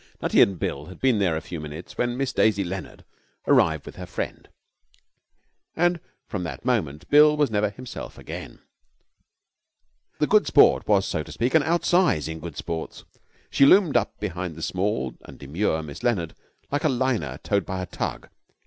Nutty and Bill had been there a few minutes when Miss Daisy Leonard arrived with her friend. And from that moment Bill was never himself again. The Good Sport was, so to speak, an outsize in Good Sports. She loomed up behind the small and demure Miss Leonard like a liner towed by a tug.